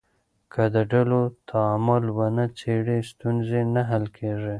که د ډلو تعامل ونه څېړې، ستونزې نه حل کېږي.